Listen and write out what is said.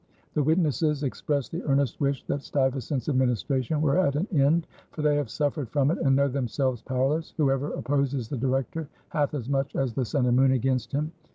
The witnesses express the earnest wish that Stuyvesant's administration were at an end, for they have suffered from it and know themselves powerless. Whoever opposes the Director "hath as much as the sun and moon against him."